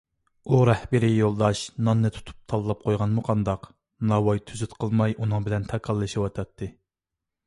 ئۇ رەھبىرىي يولداش ناننى تۇتۇپ تاللاپ قويغانمۇ قانداق، ناۋاي تۈزۈت قىلماي ئۇنىڭ بىلەن تاكاللىشىۋاتاتتى.